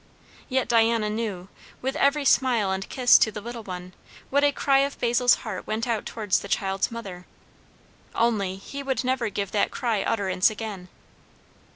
Yet Diana knew, with every smile and kiss to the little one, what a cry of Basil's heart went out towards the child's mother. Only, he would never give that cry utterance again.